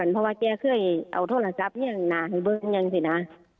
เพราะว่าแกเคยเอาโทรศัพท์นี้อย่างหนาอย่างเบิ้ลอย่างงั้นสินะ